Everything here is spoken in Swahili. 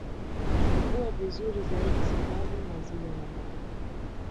kukua vizuri zaidi sababu maziwa ya mama